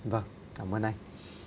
vâng cảm ơn anh